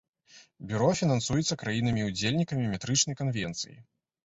Бюро фінансуецца краінамі-удзельніцамі метрычнай канвенцыі.